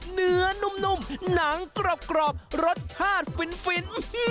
เนื้อนุ่มหนังกรอบรสชาติฟิน